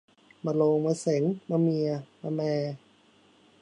มะโรง มะเส็ง มะเมีย มะแม